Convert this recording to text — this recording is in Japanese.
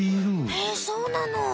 へえそうなの。